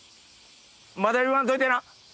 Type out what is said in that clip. まだ言わんといてな。